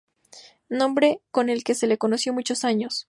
Nombre con el que se le conoció muchos años.